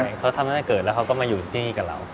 เขาทำตั้งแต่เกิดแล้วเขาก็มาอยู่ที่นี่กับเรา